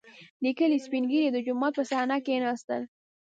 • د کلي سپین ږیري د جومات په صحنه کښېناستل.